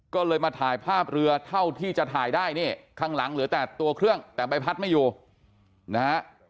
ก็เลยมาถ่ายภาพเรือเท่าที่จะถ่ายได้นี่ข้างหลังเหลือแต่ตัวเครื่องแต่ใบพัดไม่อยู่นะฮะ